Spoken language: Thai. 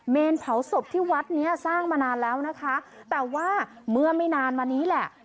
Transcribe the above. เผาศพที่วัดเนี้ยสร้างมานานแล้วนะคะแต่ว่าเมื่อไม่นานมานี้แหละ